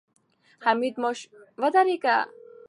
حمید ماشوخېل شعر ویلی.